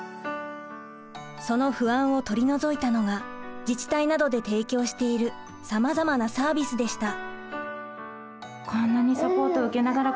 その不安を取り除いたのが自治体などで提供しているさまざまなサービスでした。